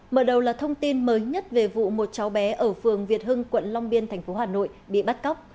mở đầu là thông tin mới nhất về vụ một cháu bé ở phường việt hưng quận long biên tp hà nội bị bắt cóc